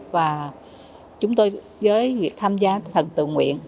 và chúng tôi với việc tham gia thần tự nguyện